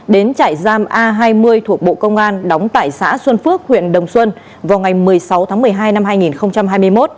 đến trại giam a hai mươi thuộc bộ công an đóng tại xã xuân phước huyện đồng xuân vào ngày một mươi sáu tháng một mươi hai năm hai nghìn hai mươi một